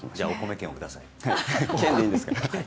券でいいですか？